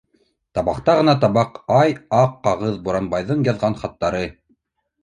Табак та ғына табаҡ, ай, ак кағыҙ - Буранбайҙың яҙған хаттары...